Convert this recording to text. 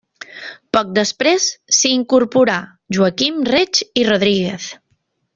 Poc després s'hi incorporà Joaquim Reig i Rodríguez.